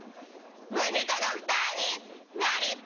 ムジカドクターになりたい！